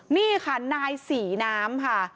นี่ค่ะนายศรีน้ำค่ะ